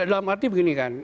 dalam arti begini kan